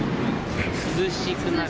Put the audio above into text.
涼しくなる。